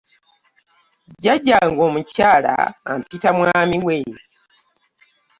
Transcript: Jjajjange omukyala ampita mwami we.